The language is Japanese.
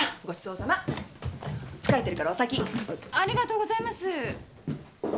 ありがとうございます。